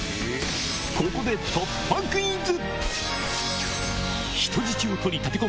ここで突破クイズ！